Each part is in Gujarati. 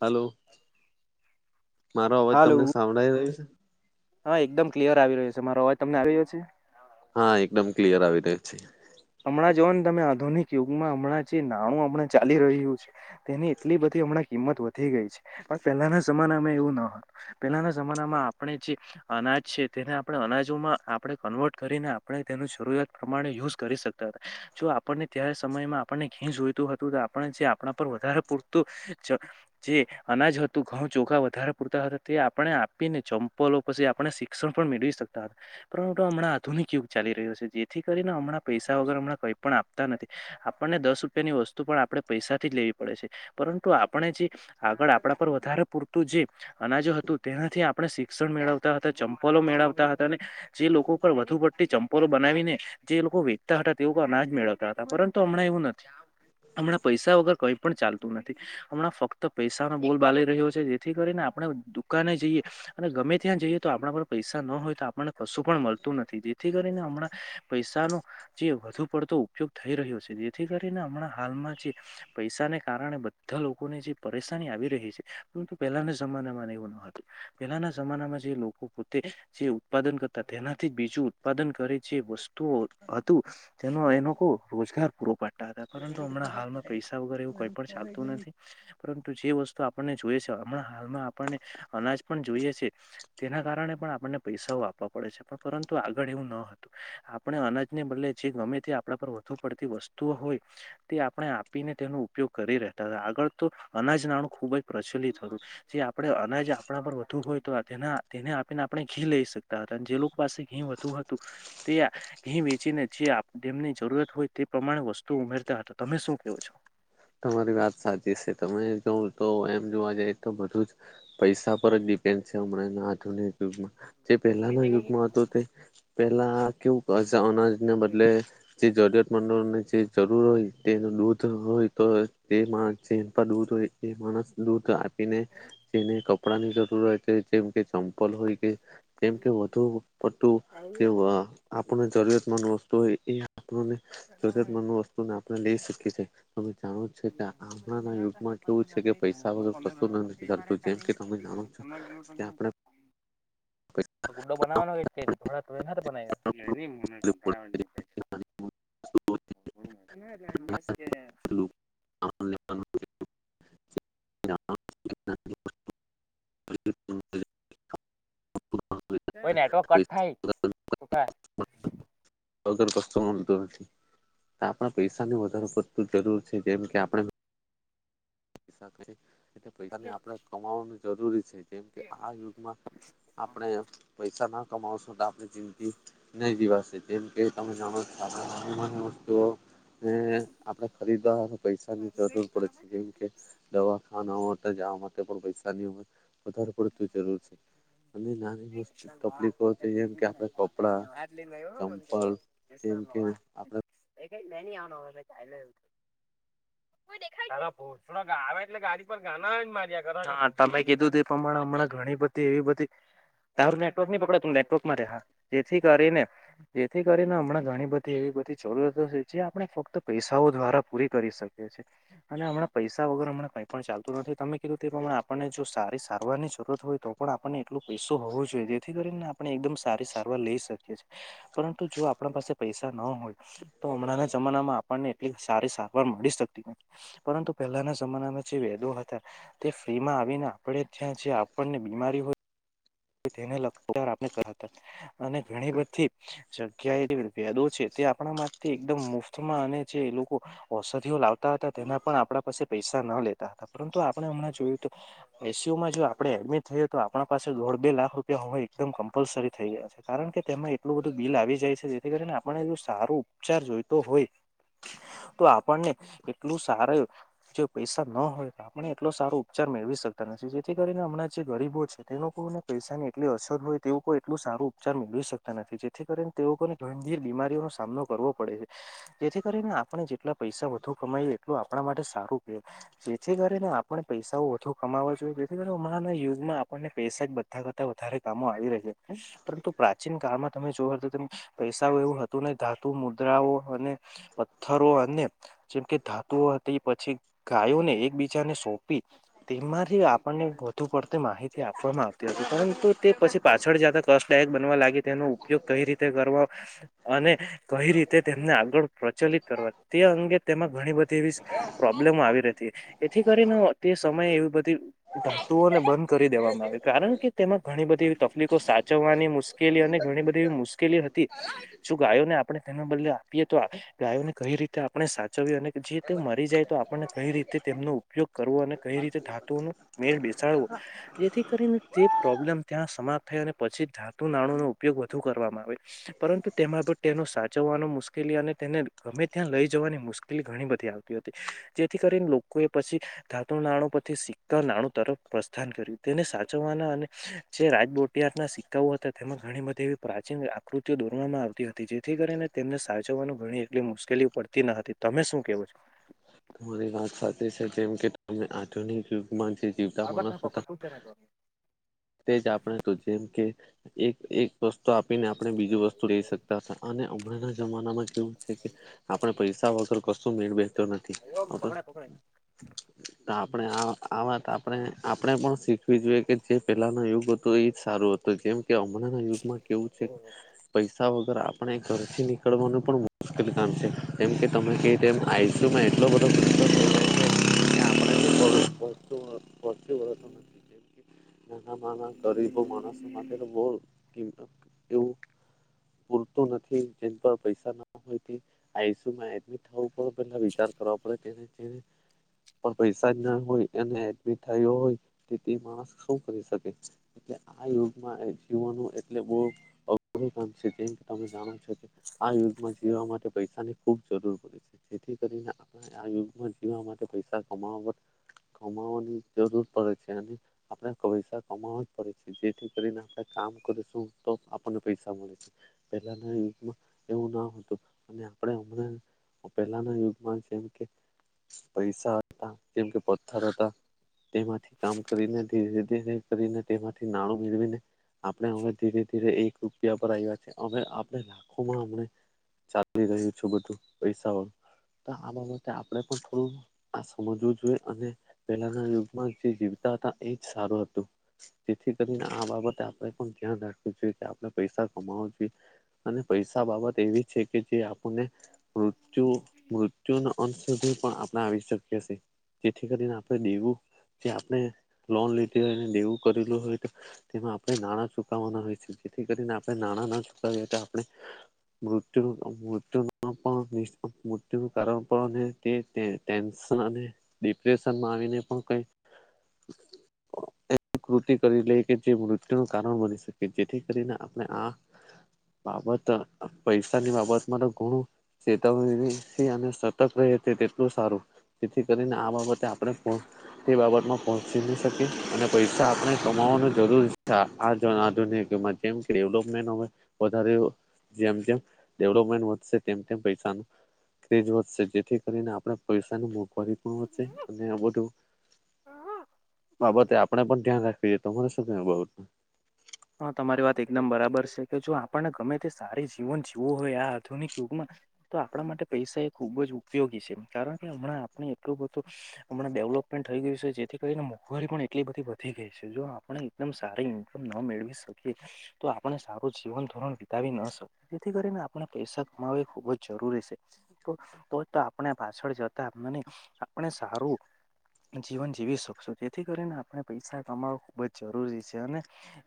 હલો મારો અવાજ હાલો તમને સાંભળાય રહ્યો છે હા એકદમ ક્લિયર આવી રહ્યો છે મારો અવાજ તમને આવી રહ્યો છે હા એકદમ ક્લિયર આવી રહ્યા છે. હમણાં જોઓ ને તમે આધુનિક યુગમાં હમણાં જે નાણું અમણા ચાલી રહ્યું છે તેની એટલી બધી હમણાં કિંમત વધી ગઈ છે પણ પહેલાના જમાના અમે એવું ન હતું. પેલાના જમાના માં આપણે જે અનાજ છે તેને આપણે અનાજોમાં આપણે કન્વર્ટ કરીને આપણે તેનું શરૂિયાત પ્રમાણે યુઝ કરી શકતા હતા. જો આપણને ત્યારે સમયમાં આપણને ઘી જોઈતું હતું તો આપને જે આપણા પર વધારે પૂરતું જે અનાજ હતું ઘઉં ચોખા વધારે પૂરતા હતા તે આપણે આપીને ચંપલો પછી આપણે શિ ક્ષણ પણ મેળવી શકતા હતા પરંતુ હમણાં આધુનિક યુગ ચાલી રહ્યો છે જેથી કરીને હમણાં પૈસા વગર હમણાં કઈ પણ આપતા નથી. આપણને દસ રૂપિયાની વસ્તુ પણ આપણે પૈસાથી જ લેવી પડે છે પરંતુ આપણે જે આગળ આપણા પર વધારે પૂરતું જે અનાજો હતું તેનાથી આપણે શિક્ષણ મેળવતા હતા ચંપલો મેળવતા હતા અને જે લોકો પર વધુ પડતી ચંપલો બનાવીને જે લોકો વે ચતા હતા તેવું અનાજ મેળવતા હતા પરંતુ હમણાં એવું નથી. હમણાં પૈસા વગર કઈ પણ ચાલતું નથી. હમણાં ફક્ત પૈસાનો બોલ બાલી રહ્યો છે જેથી કરીને આપણે દુકાને જઈએ અને ગમે ત્યાં જઈએ તો આપણા પર પૈસા ન હોય તો આપણને કશું પણ મળતું નથી જેથી કરીને હમણાં પૈસાનો જે વધુ પડતો ઉપયોગ થઈ રહ્યો છે જેથી કરીને હમણાં હાલમાં જે પૈસાને કારણે બધા લોકોને જે પરેશાની આવી રહી છે પરંતુ પહેલાના જમાનામાં એવું ન પેલાના જમાનામાં જે લોકો પોતે જે ઉત્પાદન કરતા તેનાથી બીજું ઉત્પાદન કરે છે વસ્તુઓ જેનો એનો લોકો રોજગાર પૂરો પાડે પરંતુ હમણાં હાલમાં પૈસા વગરે એવું કઈ પણ ચાલતું નથી. પરંતુ જે વસ્તુ આપણને જોઈએ છે હમણાં હાલમાં આપણને અનાજ પણ જોઈએ છે. તેના કારણે પણ આપણને પૈસાઓ આપવા પડે છે પણ પરંતુ આગળ એવું ન હતું આપણે અનાજ ને બદલે જે ગમે તે આપણા પર વધુ પડતી વસ્તુઓ હોય તે આપણે આપીને તેનો ઉપયોગ કરી રહેતા હતા આગળ તો અનાજ નાણું ખુબ જ પ્રચલિત હતું. જે આપણે અનાજ આપણા પર વધુ હોય તો તે તેને આપીને આપણે ઘી લઈ શકતા હતા જે લોકો પાસે ઘી હતું તે [unintelligible] ને જે આપ ડેમની જરૂરત હોય તે પ્રમાણે વસ્તુ ઉમેરતા હતા તમે શું કેવો છો તમારી વાત સાચી છે તમે જો તો એમ જોવા જઈ તો બધું જ પૈસા પર જ ડિપેન્ડ છે હમણાં એના આધુનિક યુગમાં જે પહેલાના યુગમાં હતો તે પહેલા કેવું અનાજને બદલે જે જરૂરિયાતમંદળની જે જરૂર હોય તેનું દૂધ હોય તો તે માણ જેન પર દૂધ હોય એ માણસ દૂધ આપીને તેને કપ કપડાની જરૂરત છે જેમ કે ચમપલ હોય કે. જેમ કે વધુ પતું જે આપણને જરૂરિયાતમંદ વસ્તુ હોય એ આપણને. તો જ મન વસ્તુ આપણે લઈ શકીએ છીએ. તમે જાણો છે કે આપણા યુગમાં કેવું છે કે પૈસા વગર કશું નથી ચાલતું જેમ કે તમે જાણો છ. એમાં કું. પ [unintelligible] તો ગુડ્ડો બનાવાનો ન થોડા તોમહેનત બનાવ. [unintelligible] [inaudible] હ [unintelligible] હ નેટવર્ક કટ થાય ત. સર પ્રસ્તવ મતો નથી નથી. આપણા પૈસા ની વધારે પડતું જરૂર છે જેમ કે આપણે. પૈસાને આપણે કમાવાનું જરૂરી છે જેમ કે આ યુગમાં. આપણે પૈસા ના કમાવશો તો આપણી જિંદગી. નહી દિવાસે જેમ કે તમે જાણો છો વસ્તુઓ. ને આપણેે ખરીદવા પૈસાની જરૂર પડે છે જેમ. દવાખાનામા જવા માટે પણ પૈસાની વધારે પડત જરૂર છે. અનેંદ નારે. કપડા ચંપલ જેમ કે આપણે વા. એ નહ આવવાનો હવે ચા એવું. હ. [inaudible] કોઈ દેખાય. થોડા આવે એટલે ગાડી પર ગાના માર્યા કરા તમે કીધું એ પ્રમાણે હમણાં ઘણી બધી એવી બધી. તારું નેટવર્ક નહી પકડે તથીનેટવર્કમાં રહે જેથી કરી ને. જેથી કરીને હમણાં ઘણી બધી એવી બધી જરૂરિયાતો છે જે આપણે ફક્ત પૈસાઓ દ્વારા પૂરી કરી શકીએ છીએ. અને હમણાં પૈસા વગર હમણા કંઈ પણ ચાલતું નથી તમે કીધું તે પ્રમાણે આપણને જો સારી સારવારની જરૂરત હોય તો. પણ આપણને એટલો પૈસો હોવો જોઈએ જેથી કરીને આપણે એકદમ સારી સારવાર લઇ શકીએ છીએ. પરંતુ જો આપણા પાસે પૈસા ન હોય. તો હમણાંના જમાનામાં આપણને એટલી સારી સારવાર મળી શકતી. પરંતુ પહેલાના જમાનામાં જે વેદો હતા. તે ફ્રી માં આવીને આપણે ત્યાં જે આપણને બીમારી હોય. તેને લાર આપણે કરતા અને ઘણી બધી. જગ્યા એ ભદો છે તે આપણા માટે એકદમ મુફ્તમાં અને જે એ લોકો. ઔષધિઓ લાવતા હતા તેના પણ આપણા પાસે પૈસા ના લેતા હતા પરંતુ આપણે હમણાં જોયું તો. આસીયુમાં જો આપણે એડમિટ થયએ તો આપણા પાસે. બે લાખ રૂપિયા હું એકદમ કમ્પલસરી થઈ ગયા છે કારણ કે તેમાં એટલું બધું બિલ આવી જાય છે જેથી કરીને આપણે જો સારું. ઉપચાર જોય તો હોય. [inaudible] તો આપણને એટલું સારા જો પૈસા ન હોય. આપણે એટલો સારો ઉપચાર મેળવી શકતા નથી જેથી કરીને હમણાં જે ગરીબો છે તે લોકોને. પૈસાની એટલી અછત હોય તે કોઈ એટલું સારું ઉપચાર મેળવી શકતા નથી જેથી કરીને તે લોકોને. ગંભીર બીમારીઓનો સામનો કરવો પડે છે. જેથી કરીને આપણે જેટલા પૈસા વધુ કમાયએ એટલું આપણા માટે સારું કે. જેથી કરીે ને આપણે પૈસાઓ ઓુ કમાવા જોઈએ જેથી કરી અમારા યુઝમાં આપણને પૈસા જ બધ કરતા કરતાં વધારે કામો આવી રહી છે પરંતુ પ્રાચીન કાળમાં તમે જો તો પૈસાઓ એવું હતું ને ધાતુ મુદ્રાઓ અને પથ્થરો અને જેમ કે ધાતુઓ હતી પછી ગાયોને એકબીજાને સોંપી તેમાંથી આપણને વધુ પડતી માહિતી આપવામાં આવતી હતી પરંતુ તે પછી પાછળ તા કષ્ટદાયક બનવા લાગે તેનો ઉપયોગ કઈ રીતે કરવો અને કઈ રીતે તેમને આગળ પ્રચલિત કરવા તે અંગે તેમાં ઘણી બધી એવી પ્રોબ્લેમ આવી ર હતી એથી કરીને તે સમયે એવી બધી ધાતુઓને બંધ કરી દેવામાં આવે કારણ કે તેમાં ઘણી બધી એવી તકલીફો સાચવવાની મુશ્કેલી અને ઘણી બધી એવી મુશ્કેલી હતી શું ગાયોને આપણે તેના બદલે આપીએ તો ગાયોને કઈ રીતે આપણે સા અને જે તે મરી જાય તો આપણને કઈ રીતે તેમનો ઉપયોગ કરવો અને કઈ રીતે ધાતુઓ નો મેળ બેસાડવો જેથી કરીને તે પ્રોબ્લેમ ત્યાં સમાપ્ત થાય અને પછી ધાતુ નાણુ નો ઉપયોગ વધુ કરવામાં આવે પરંતુ તેમાં તેનો સાચવવાનું મુશ્કેલી અને તેને ગમે ત્યાં લઈ જવાની મુશ્કેલી ઘણી બધી આવતી હતી જેથી કરીને લોકોએ પછી ધાતુ નાણુ પર થી સિધા નાણું તરફ પ્રસ્થાન કર્યું તેને સાચવવાના અને જે રાજબોટયાર ના સિક્કાઓ હતા તેમાં ઘણી બધી એવી પ્રાચીન કૃતિઓ દોરવામાં આવતી હતી જેથી કરીને તેમને સાચવવાનું ઘણી એટલી મુશ્કેલીઓ પડતી ન હતી તમે શું કેવો છો તમારી વાત સાચી છે જેમ કે તમે આધુનિક યુગ મા જે જીવતા માણસ હતા તેજ આપણે તો જેમ કે એક એક વસ્તુ આપીને આપણે બીજું વસ્તુ લઈ શકતા હતા અને હમણાં જમાનામાં કેવું છે કે આપડ પૈસા વગર કશું મેળ બેસતો નથી તો તો આપણે આ વાત આપણે આપણેે પણ શીખવી જોઈએ કે જે પેલાના યુગ હતો એજ સારું હત જેમ કે હમણાં યુગમાં કેવું છે પૈસા વગર આપણે ઘરથી નીકળવાનું પણ મુશ્કેલ કામ છે જે મ કે તમે કેય તેમ [inaudible] નાના નાના ગરીબ માણસ માટે બહુ એવું પૂરતું નથી જેમ પર પૈસા ના હોય આસીમાં એ [unintelligible] પડે પેલા વિચાર કરવા પડે તેને પણ પૈસા જ ના હોય એ એડમિટ થયો હોય તેથી માણસ શું કરી શકે એટલે આ યુગમાં એ જીવનું એટલે બહુ અઘરુ કામ છે જે તમે જાણો આ યુગમાં જીવા માટે પૈસાની ખુબ જરૂર પડી જેથી કરીને આ યુગમાં જીવા માટે પૈસા કમાવ કમાવાની જરૂર પડે છે અને આપણે પૈસા કમાવવા જ પડે છે જેથી કરીને આપણે કામ કરીશું તો આપણને પૈસા મળે છે પેલાના યુગમાં એવું ના હતું અને આપણે હમ પહેલાના યુગમાં જેમ કે પૈસા હતા જેમ કે પથ્થર હતા તેમાંથી કામ કરીને ધીરે ધીરે તેમાંથી નાણું મેળવીને આપણે હવે ધીરે ધી એક રૂપિયા પર આવ્યા છે હવે આપણે લખોમાં હમ ચાલી રહ્યું છું બધું પૈસા વાળું આ બાબતે આપડે પણ થોડું આ સમજવું જોઈએ અને પહેલાના યુગમાં જે જીવતા હતા એજ સારું હતું તેથી કરીને આ બાબતે આપણેે પણ ધ્યાન રાખવું જોઈએ કે આપણે પૈસા કમાવો જોઈએ અને પૈસા બાબત એવી છે કે જે આપણને મૃત્યુ મૃત્યુના અંત સુધી પણ આપણે આવી શકીયે જેએ જેથી કરીને આપણે દેવું જે આપણે લોન લીધી હોયને દેવું કરેલું હોય તેમાં આપણે નાણાં ચુકવવાના હોય છે જેથી કરીને આપણે નાણાં ના ચુકાવએ આપણે મૃત્યુ મૃત્યુ પણ મૃત્યુ ણુ કારણ પણ તે ટેન્શન અને ડિપ્રેશનમાં આવીને પણ કંઈ એવી કૃતિ કરી લે કે જે મૃત્યુનું કારણ બની શકે જેથી કરીને આપણે આ બાબત પૈસાની બાબતમાં તો ઘણું ચેતવણી અને સતર્ક રહે તેટલું સારું તેથી કરીને આ બાબતે આપણે તે બાબતમાં પહોંચી ન શકે અને પૈસા આપણે કમાવાની જરૂર છે આ જો આધુનિક કેમ કે ડેવલપમેન્ટ હોય વધારે જેમ જેમ ડેવલોપમેન્ટ વધશે તેમ તેમ પૈસાનું ક્રેજ વધશે જેથી કરીને આપણે પૈસાનું મોંઘવારી પણ વધશે અને આ બધું બાબતે આપણે પણ ધ્યાન રાખવી જોઈએ. તમારે શું કેવુ બાબત મા? હા તમારી વાત એકદમ બરાબર છે કે જો આપણને ગમે તે સારી જીવન જીવું હોય આ આધુનિક યુગમાં તો આપણા માટે પૈસા એ ખુબ જ ઉપયોગી છે કારણ કે હમણાં આપણે એટલું બધું હમણાં ડેવલોપમેન્ટ થઈ ગયું છે જેથી કરીને મોંઘવારી પણ એટલી બધી વધી ગઈ છે જો આપણે એકદમ સારી ઇન્કમ ન મેળવી શકીએ તો આપણે સારું જીવન ધોરણ વિતાવી ન શકીએ. જેથી કરીને આપણે પૈસા કમાવ એ ખુબ જ જરૂરી છે. તો તો આપણે પાછળ જતા મને આપણે સારું જીવન જીવી શકશો જેથી કરીને આપણે પૈસા કમાવ ખુબ જ જરૂરી છે અને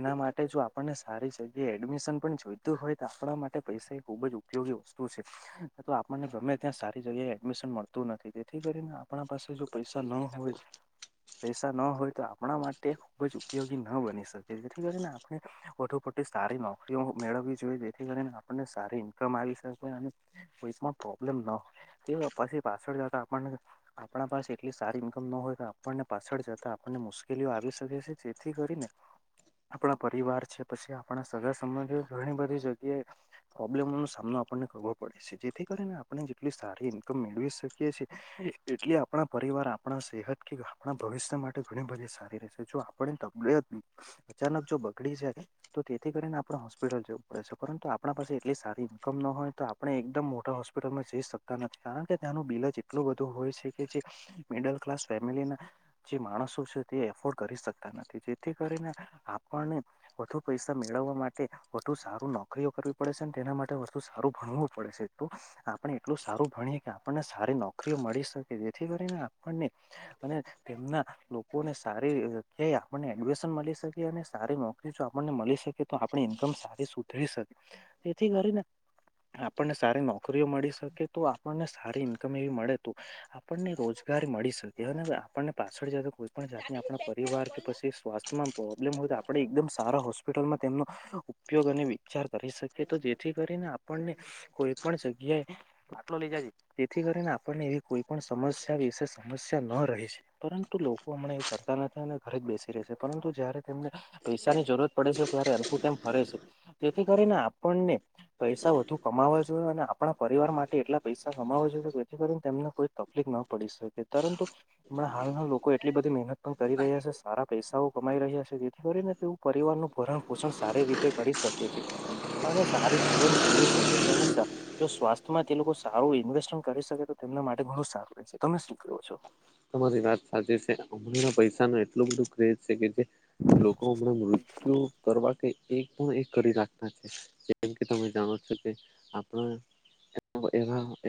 એના માટે જો આપણને સારી જગ્યા એ એડમિશન પણ જોઈતું હોય તો આપણા માટે પૈસા ખુબ જ કેજું સ્તુ છે [unintelligible] તો આપણને ગમે ત્યાં સારી જગ્યાએ એડમિશન મળતું નથી તેથી કરીને આપણી પાસે પૈસા ન હોય પૈસા ન હોય તો આપણા માટે ખુબ જ ઉપયોગી ન બની શકે. જેથી કરીને આપણે વધુ પડતી સારી નોકરીઓ મેળવવી જોઈએ જેથી કરીને આપણને સારી આવી કો પ્રોબ્લેમ ન હો પછી પાછા જાતા આપણને આપણા પાસે એટલી સારી ઈન્કમ ન હોય કે આપણને પાછળ જતા આપણને મુશ્કેલીઓ આવી શકે છે જેથી કરીને આપણા પરિવાર છે પછી આપણા સગા સંબંધી ઘણી બધી જગ્યાએ પ્રોબ્લેમોનો સામનો આપને કરવો પડે છે જેથી કરીને આપણે જેટલી સારી ઇન્કમ મેળવી શકીએ છીએ. એટલે આપણા પરિવાર આપણા સેહત કે આપણા ભવિષ્ય માટે ઘણી બધી સારી રહેશે જો આપને તબિયત અચાનક જો બગડી છે કે તો તેથી કરીને આપડે હોસ્પિટલ જવું પડે છે પરંતુ આપણા પાસે એટલી સારી ઈન્કમ ન હોય તો આપણે એકદમ મોટા હોસ્પિટલમાં જઈ શકતા નથી કારણ કે ત્યાંનું બિલ જ એટલું બધું હોય છે કે જે મિડલ ક્લાસ ફેમિલી ના જે માણસો છે તે એફોર્ડ કરી શકતા નથી જેથી કરીને આપણને વધુ પૈસા મેળવવા માટે વધુ સારું નોકરીઓ કરવી પડે છે ને તેના માટે વધુ સારું ભણવું પડે છે. આપણે એટલું સારું ભણીએ કે આપણને સારી નોકરીઓ મળી શકે જેથી કરીને આપણને અને તેમના લોકોને સારી આપણને એડમિશન મળી શકે અને સારી નોકરી જો આપણને મળી શકે તો આપણી ઈન્કમ સારી સુધરી શકે. તેથી કરીને આપણને સારી નોકરીઓ મળી શકે તો આપણને સારી ઈન્કમ એવી મળે તો આપણને રોજગારી મળી શકે અને આપણને પાછળ જતો પણ જાતને આપણા પરિવાર કે પછી સ્વાસ્થ્યમાં પ્રોબ્લેમ હોય તો આપણે આપણે એકદમ સારા હોસ્પિટલમાં તેમનો ઉપયોગ અને વિચાર કરી શકીએ તો જેથી કરીને આપણને કોઈ પણ જગ્યાએ બાટલો લીજાય જેથી કરીને આપણને એવી કોઈ પણ સમસ્યા વિશે સમસ્યા ન રહે છે પરંતુ લોકો હમણાં એવું ફરતા નથી અને ઘરે જ બેસી રહે છે પરંતુ જયારે તેમને પૈસાની જરૂરત પડે છે ત્યારે આમ થી તેમ ફરે છે તેથી કરીને આપણને પૈસા વધુ કમાવવા જોયએ અને આપણા પરિવાર માટે એટલા પૈસા કમાવવા જોયએ જેથી કરીને તેમને કોઈ તકલીફ ના પડી શકે પરંતુ હમણાં હાલના લોકો એટલી બધી મહેનત પણ કરી રહ્યા છે સારા પૈસાઓ કમાઈ રહ્યા છે જેથી કરીને તેઓ પરિવાર નું ભરણ પોષણ સારી રીતે કરી શકે છે. અને સારી જીવન જીવી શકે છે અને જો સ્વાસ્થ્યમાં તે લોકો સારું ઇન્વેસ્ટમેન્ટ કરી શકે તો તેમના માટે ઘણું સારું છે તમે શું કરો છો તમારી વાત સાચી છે હમણાં પૈસા ન એટલું બધું ક્રેજ છે કે જે લોકો હમણા મૃત્યુ કરવા કે એક પણ એક કરી રાખતા છે જેમ કે તમે જાણો છો કે આપણા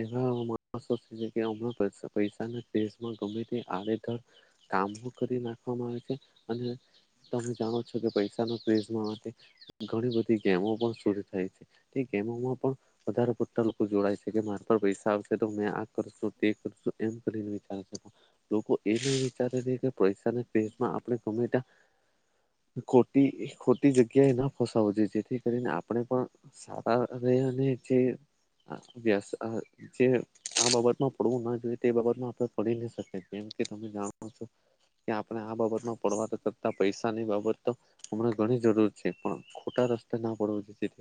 એવા માસ છે કે અમરોૈ પૈસા ના ગમે તે આડેધર કામ કરી નાખવામાં આવે છે અને તમે જાણો છો કે પૈસાના પ્રઝ માટે ઘણી બધી ગેમો પણ ફેલ થાય છે એ ગેમો માં પણ વધારે પડતા લોકો જોડાય છે કે માર તો પૈસા આવશે તો મે આ કરશું તે કરશું એમ કરીને વિચાર લોકો એ બી વિચારે છે કે પૈસાને કે રીતના આપણે ગમે ત્યાં ખોટી ખોટી જગ્યા એ ન ફસાવો જોઈએ જેથી કરીને આપણે પણ સારા અને અને જે વ્યાસ અ જે આ બાબતમાં પડવું ના જોઈએ તે બાબતમાં આપને પડી ન શકે જેમ કે તમે જાણો છો કે આપણે આ બાબતમાં પડવા કરતા પૈસાની બાબત તો હમણા ઘણી જરૂર છે પણ ખોટા રસ્તે ના પડવા તેથી